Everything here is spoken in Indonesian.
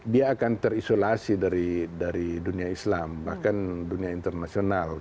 dia akan terisolasi dari dunia islam bahkan dunia internasional